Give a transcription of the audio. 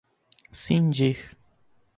cindir